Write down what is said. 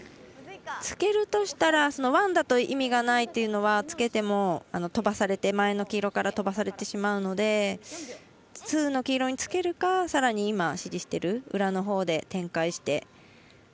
つけるとしたらワンだと意味がないというのはつけても前の黄色から飛ばされてしまうのでツーの黄色につけるかさらに今、指示してる裏のほうで展開して。